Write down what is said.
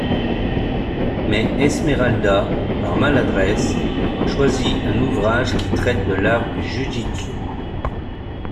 Mais Esmeralda, par maladresse, choisit un ouvrage qui traite de l’art du ju-jitsu.